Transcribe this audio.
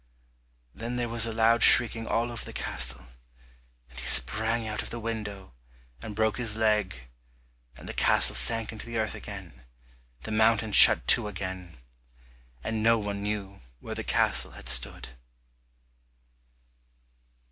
Then there was a loud shrieking all over the castle, and he sprang out of the window, and broke his leg, and the castle sank into the earth again, the mountain shut to again, and no one knew where the castle had stood.